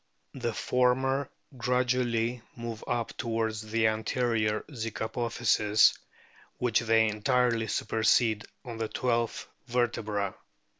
The former gradually move up towards the anterior zygapophyses, which they entirely supersede on the twelfth vertebra.